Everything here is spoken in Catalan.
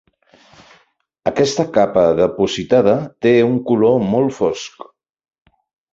Aquesta capa depositada té un color molt fosc.